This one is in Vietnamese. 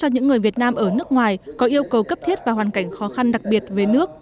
những người việt nam ở nước ngoài có yêu cầu cấp thiết và hoàn cảnh khó khăn đặc biệt về nước